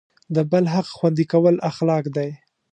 د بل حق خوندي کول اخلاق دی.